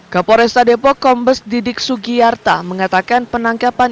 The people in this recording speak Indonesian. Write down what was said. ke poresta depok kombes didik sugiyarta mengatakan penangkapan